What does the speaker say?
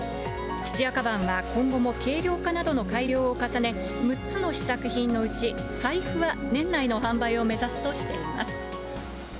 土屋鞄は今後も軽量化などの改良を重ね、６つの試作品のうち財布は年内の販売を目指すとしています。